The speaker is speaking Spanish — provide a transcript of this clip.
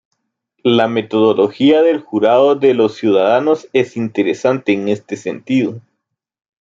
La metodología del jurado de los ciudadanos es interesante en este sentido.